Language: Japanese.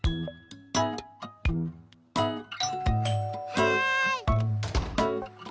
はい。